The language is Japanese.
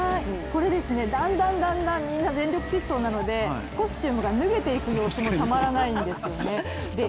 これ、だんだんみんな全力疾走なのでコスチュームが脱げていく様子もたまらないんですよね。